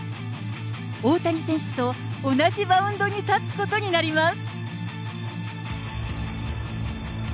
大谷選手と同じマウンドに立つことになります。